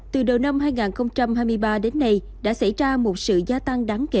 từ đầu năm hai nghìn hai mươi ba đến nay đã xảy ra một sự gia tăng đáng kể